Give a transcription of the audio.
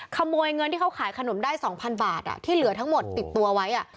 ขโมยเงินที่เขาขายขนมได้๒๐๐บาทที่เหลือทั้งหมดติดตัวไว้